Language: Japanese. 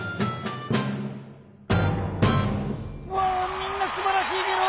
みんなすばらしいゲロ！